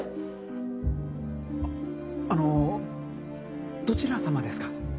ああのどちら様ですか？